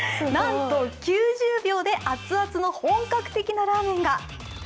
なんと９０秒でアツアツの本格的なラーメンが。